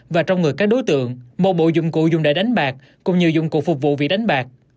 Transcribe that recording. và trong người các đối tượng một bộ dụng cụ dùng để đánh bạc cũng như dụng cụ phục vụ vì đánh bạc